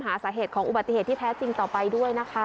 หาสาเหตุของอุบัติเหตุที่แท้จริงต่อไปด้วยนะคะ